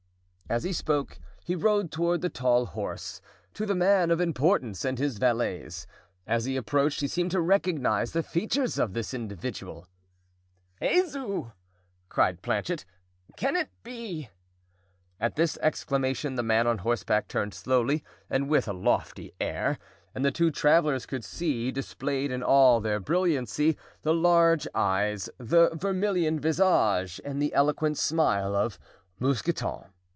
As he spoke, he rode toward the tall horse—to the man of importance and his valets. As he approached he seemed to recognize the features of this individual. "Jesu!" cried Planchet, "can it be?" At this exclamation the man on horseback turned slowly and with a lofty air, and the two travelers could see, displayed in all their brilliancy, the large eyes, the vermilion visage, and the eloquent smile of—Mousqueton.